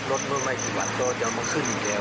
ลดไม่ไหวกี่วันก็จะมาขึ้นอยู่แล้ว